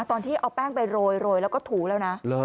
ตอนที่เอาแป้งไปโรยแล้วก็ถูแล้วนะ